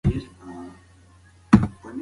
هغه د کورنۍ ستونزې حلوي.